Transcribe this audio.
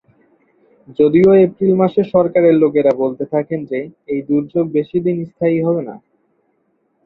যদিও এপ্রিল মাসে সরকারের লোকেরা বলতে থাকেন যে, এই দুর্যোগ বেশি দিন স্থায়ী হবে না।